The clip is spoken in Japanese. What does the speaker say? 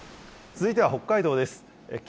続いては北海道です。